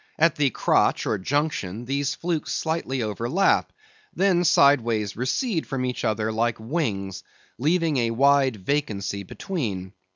At the crotch or junction, these flukes slightly overlap, then sideways recede from each other like wings, leaving a wide vacancy between.